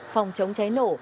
phòng chống cháy nổ